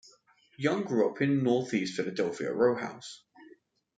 Young grew up in a Northeast Philadelphia rowhouse.